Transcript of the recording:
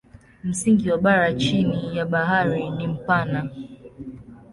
Msingi wa bara chini ya bahari ni mpana.